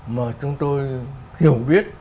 mà chúng tôi hiểu biết